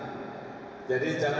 kepala desa dipanggil diancam ancam